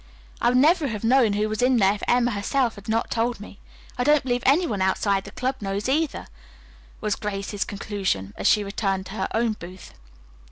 "I would never have known who was in there if Emma herself had not told me. I don't believe any one outside the club knows either," was Grace's conclusion as she returned to her own booth.